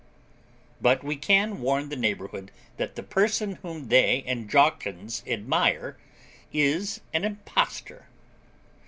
But we can warn the neighbourhood that the person whom they and Jawkins admire is an impostor.